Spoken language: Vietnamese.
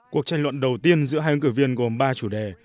cuộc tranh luận đầu tiên giữa hai ứng cử viên gồm ba chủ đề